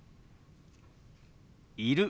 「いる」。